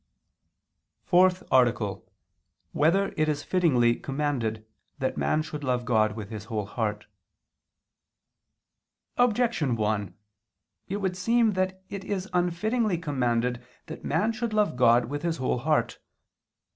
_______________________ FOURTH ARTICLE [II II, Q. 44, Art. 4] Whether It Is Fittingly Commanded That Man Should Love God with His Whole Heart? Objection 1: It would seem that it is unfittingly commanded that man should love God with his whole heart.